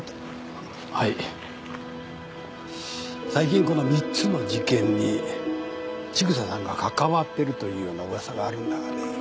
最近この３つの事件に千草さんが関わってるというような噂があるんだがね。